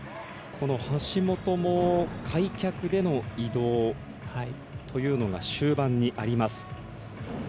橋本も開脚での移動というのが終盤にあります。